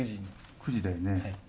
９時だよね。